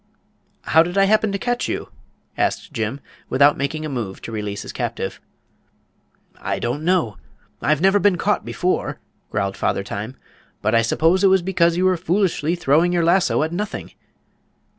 "How did I happen to catch you?" asked Jim, without making a move to release his captive. "I don't know. I've never been caught before," growled Father Time. "But I suppose it was because you were foolishly throwing your lasso at nothing."